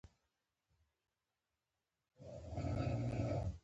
لکه زه چې یې تر کالر ونیولم، ورته مې وویل: څه خبره ده؟